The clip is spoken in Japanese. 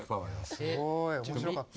すごい面白かった。